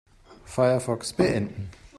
Firefox beenden.